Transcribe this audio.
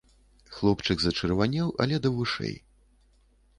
Хлопчык зачырванеў але да вушэй.